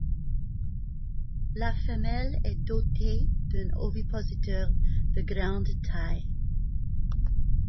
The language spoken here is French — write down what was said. La femelle est dotée d'un ovipositeur de grande taille.